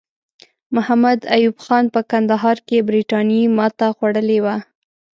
محمد ایوب خان په کندهار کې له برټانیې ماته خوړلې وه.